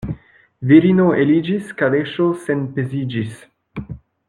Virino eliĝis, kaleŝo senpeziĝis.